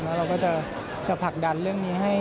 แล้วเราก็จะผลักดันเรื่องนี้ให้